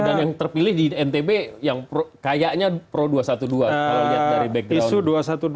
dan yang terpilih di ntb yang kayaknya pro dua ratus dua belas kalau dilihat dari background